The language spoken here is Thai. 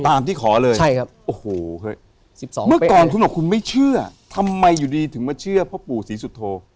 ตามที่ขอเลยโอ้โหเมื่อก่อนคุณบอกว่าคุณไม่เชื่อทำไมอยู่ดีถึงมาเชื่อพระปู่ศรีสุทธโฆ